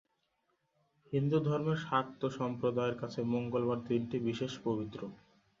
হিন্দুধর্মের শাক্ত সম্প্রদায়ের কাছে মঙ্গলবার দিনটি বিশেষ পবিত্র।